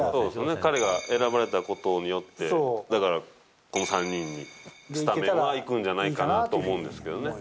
彼が選ばれたことによって、だから、この３人にスタメンはいくんじゃないかなと思うんですけどね。